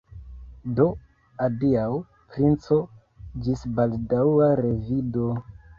Do, adiaŭ, princo, ĝis baldaŭa revido!